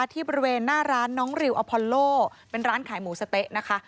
ที่บริเวณหน้าร้านน้องริวอพอลโลเป็นร้านขายหมูสะเต๊ะนะคะ